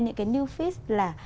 những cái new feed là